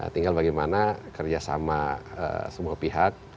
tinggal bagaimana kerjasama semua pihak